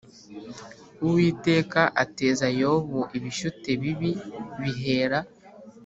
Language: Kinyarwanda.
Uwiteka, ateza Yobu ibishyute bibi bihera